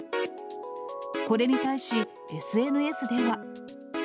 これに対し、ＳＮＳでは。